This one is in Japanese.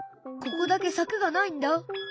ここだけさくがないんだ。